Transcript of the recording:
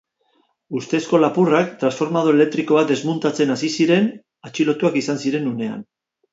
Ustezko lapurrak transformadore elektriko bat desmuntatzen ari ziren atxilotuak izan ziren unean.